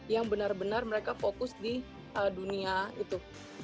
yang benar benar mereka fokus di dunia itu